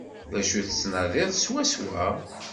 D acu tettnadiḍ swaswa?